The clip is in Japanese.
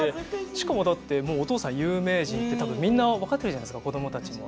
しかもだってもうお父さん有名人って多分みんな分かってるじゃないですか子供たちも。